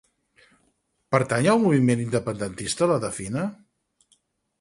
Pertany al moviment independentista la Defina?